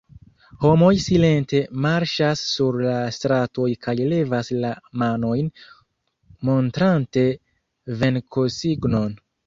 Homoj silente marŝas sur la stratoj kaj levas la manojn montrante venkosignon.